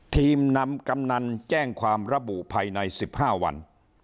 ทีมนำกำนันแจ้งความระบุภายใน๑๕วัน